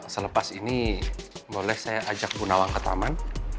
selepas ini boleh saya ajak bu nawang ke taman